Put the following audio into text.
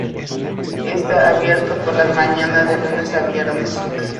Está abierto por las mañanas de lunes a viernes.